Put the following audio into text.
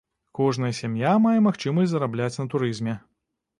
Кожная сям'я мае магчымасць зарабляць на турызме.